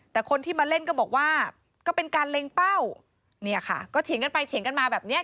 แต่คนที่มาเล่นก็บอกว่าก็เป็นการเล็งเป้าเนี่ยค่ะก็เถียงกันไปเถียงกันมาแบบเนี้ย